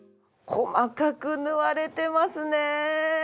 細かく縫われてますね！